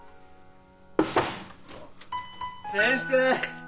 先生！